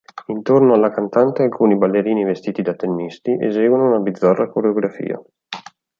Intorno alla cantante alcuni ballerini vestiti da tennisti eseguono una bizzarra coreografia.